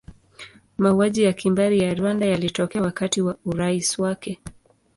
Mauaji ya kimbari ya Rwanda yalitokea wakati wa urais wake.